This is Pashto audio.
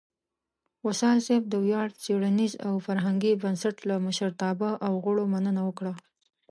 وصال صېب د ویاړ څیړنیز او فرهنګي بنسټ لۀ مشرتابۀ او غړو مننه وکړه